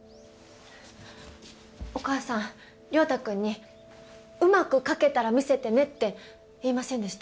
涼太くんに「うまく描けたら見せてね」って言いませんでした？